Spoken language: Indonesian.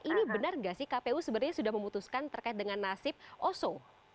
ini benar nggak sih kpu sebenarnya sudah memutuskan terkait dengan nasib oso